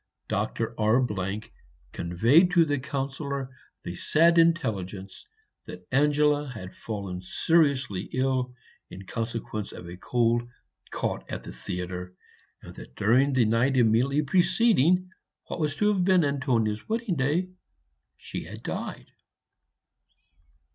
Doctor R conveyed to the Councillor the sad intelligence that Angela had fallen seriously ill in consequence of a cold caught at the theatre, and that during the night immediately preceding what was to have been Antonia's wedding day, she had died.